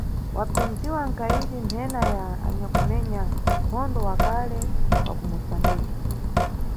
Wapindziwa nkayidi nthena ya anyakumenya nkhondo wa kale wa ku Musambiki.